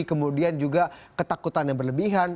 kemudian juga ketakutan yang berlebihan